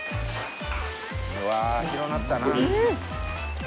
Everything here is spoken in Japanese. うわ広なったな。